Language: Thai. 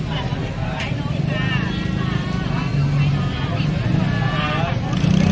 อัศวินิสัมภาษาอัศวินิสัมภาษา